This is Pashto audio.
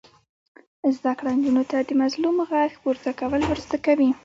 زده کړه نجونو ته د مظلوم غږ پورته کول ور زده کوي.